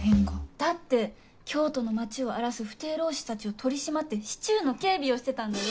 だって京都の町を荒らす不逞浪士たちを取り締まって市中の警備をしてたんだよ？